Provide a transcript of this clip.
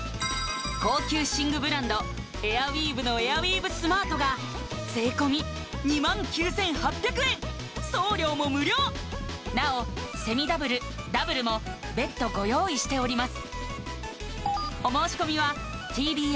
高級寝具ブランドエアウィーヴのエアウィーヴスマートが税込２９８００円送料も無料なおセミダブルダブルも別途ご用意しております